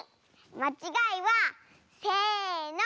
まちがいはせの！